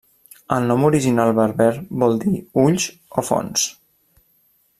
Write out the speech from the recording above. El nom original berber vol dir 'ulls' o 'fonts'.